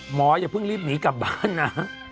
อย่าเพิ่งรีบหนีกลับบ้านนะ